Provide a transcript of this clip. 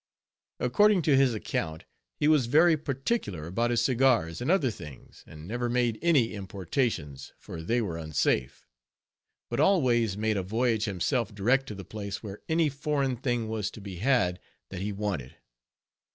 According to his account, he was very particular about his cigars and other things, and never made any importations, for they were unsafe; but always made a voyage himself direct to the place where any foreign thing was to be had that he wanted.